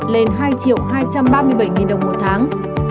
lên hai hai trăm ba mươi bảy đồng một tháng